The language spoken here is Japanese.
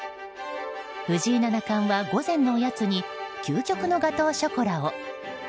藤井七冠は午前のおやつに究極のガトーショコラを。